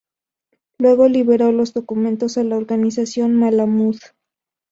Luego liberó los documentos a la organización de Malamud.